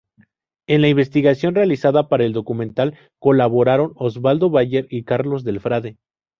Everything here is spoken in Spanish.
En la investigación realizada para el documental colaboraron Osvaldo Bayer y Carlos del Frade.